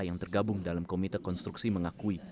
yang tergabung dalam komite konstruksi mengakui